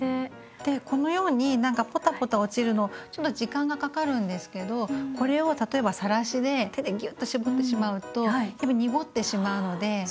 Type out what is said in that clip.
でこのようにポタポタ落ちるのちょっと時間がかかるんですけどこれを例えばさらしで手でぎゅっと絞ってしまうとやっぱり濁ってしまうので。